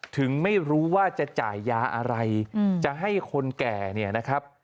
ถึงไม่รู้ว่าจะจ่ายยาอะไรจะให้คนแก่เนี่ยนะครับ